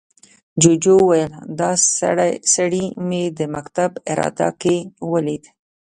جوجو وويل، دا سړي مې د مکتب اداره کې ولید.